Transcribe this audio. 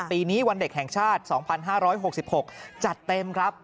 ปีนี้วันเด็กแห่งชาติ๒๕๖๖จัดเต็มครับ